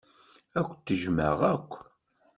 Ad kent-jjmeɣ akk.